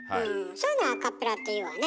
そういうのアカペラって言うわね。